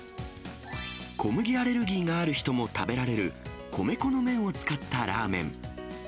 小麦アレルギーがある人も食べられる、米粉の麺を使ったラーメン。